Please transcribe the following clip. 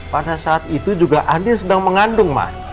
pada saat itu juga andien sedang mengandung ma